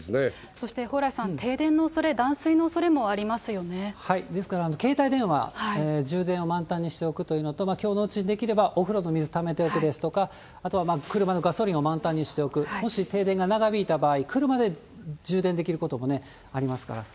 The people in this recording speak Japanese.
そして、蓬莱さん、停電のおそれ、断水のおそれもありますよですから、携帯電話、充電は満タンにしておくというのと、きょうのうちにできれば、お風呂の水ためておくですとか、あとは車のガソリンを満タンにしておく、もし停電が長引いた場合、車で充電できることもね、ありますから。